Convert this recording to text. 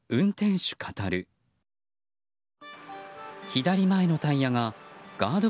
左前のタイヤがガード